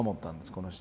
この人。